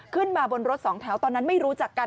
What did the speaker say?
ขึ้นมาบนรถสองแถวตอนนั้นไม่รู้จักกัน